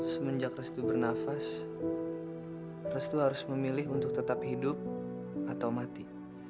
semenjak restu bernafas restu harus memilih untuk tetap hidup atau mati